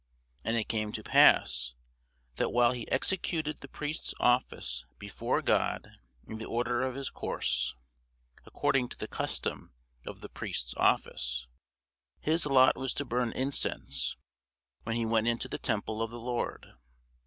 And it came to pass, that while he executed the priest's office before God in the order of his course, according to the custom of the priest's office, his lot was to burn incense when he went into the temple of the Lord.